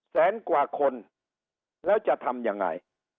แสนกว่าคนแล้วจะทำยังไง